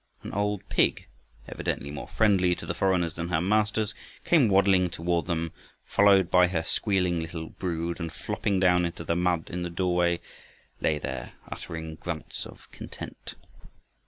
An old pig, evidently more friendly to the foreigners than her masters, came waddling toward them followed by her squealing little brood, and flopping down into the mud in the doorway lay there uttering grunts of content.